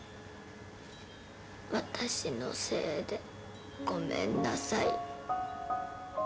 私のせいでごめんなさい。